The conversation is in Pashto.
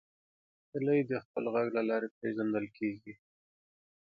هیلۍ د خپل غږ له لارې پیژندل کېږي